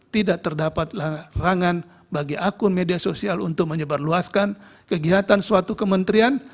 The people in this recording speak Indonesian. tidak terdapat larangan bagi akun media sosial untuk menyebarluaskan kegiatan suatu kementerian